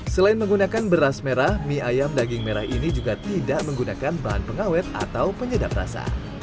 selain menggunakan beras merah mie ayam daging merah ini juga tidak menggunakan bahan pengawet atau penyedap rasa